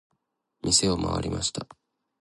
店を回りました。